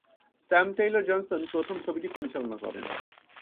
Sam Taylor Johnson প্রথম ছবিটি পরিচালনা করেন।